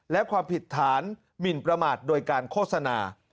และความผิดฐานหมินประมาทโดยการโฆษณา